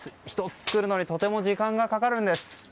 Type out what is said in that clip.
１つ作るのにとても時間がかかるんです。